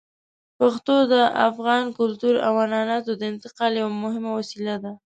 پښتو د افغان کلتور او عنعناتو د انتقال یوه مهمه وسیله ده.